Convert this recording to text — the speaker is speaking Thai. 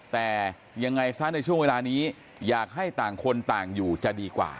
แต่ยังไงซะในช่วงเวลานี้อยากให้ต่างคนต่างอยู่จะดีกว่า